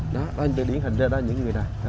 đó anh ta điển hình ra đó những người đó